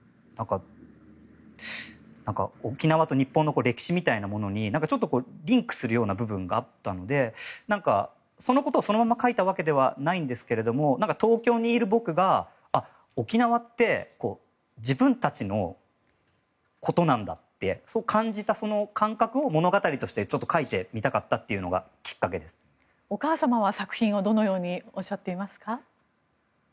沖縄と日本の歴史みたいなものにリンクするような部分があったのでそのことをそのまま書いたわけではないんですけど東京にいる僕が、沖縄って自分たちのことなんだって感じた感覚を物語として書いてみたかったというのがお母様は作品をどのようにおっしゃっていますか？